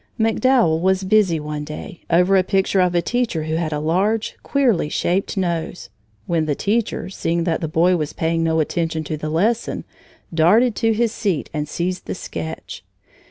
MacDowell was busy one day, over a picture of a teacher who had a large, queerly shaped nose, when the teacher, seeing that the boy was paying no attention to the lesson, darted to his seat and seized the sketch.